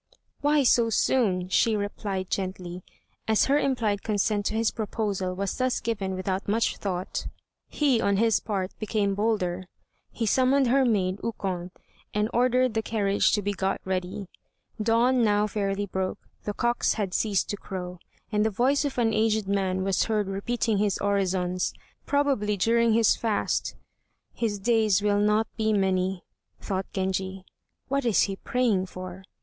"Why so soon?" she replied, gently. As her implied consent to his proposal was thus given without much thought, he, on his part, became bolder. He summoned her maid, Ukon, and ordered the carriage to be got ready. Dawn now fairly broke; the cocks had ceased to crow, and the voice of an aged man was heard repeating his orisons, probably during his fast. "His days will not be many," thought Genji, "what is he praying for?"